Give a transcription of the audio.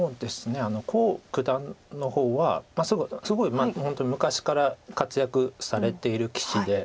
黄九段の方はすごい本当に昔から活躍されている棋士で。